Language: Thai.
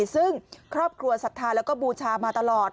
ซึ่งครอบครัวศรัทธาแล้วก็บูชามาตลอด